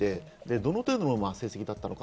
どの程度の成績だったのか。